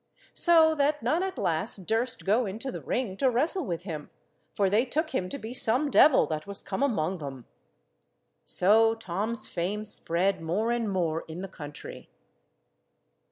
So that none at last durst go into the ring to wrestle with him, for they took him to be some devil that was come among them. So Tom's fame spread more and more in the country.